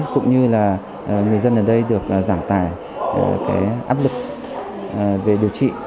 cũng như là người dân ở đây được giảm tài áp lực về điều trị